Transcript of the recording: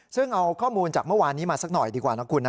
ซึ่งเอาข้อมูลจากเมื่อวานนี้มาสักหน่อยดีกว่านะคุณนะ